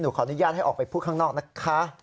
ขออนุญาตให้ออกไปพูดข้างนอกนะคะ